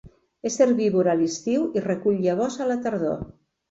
És herbívor a l'estiu i recull llavors a la tardor.